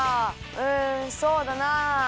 うんそうだなあ。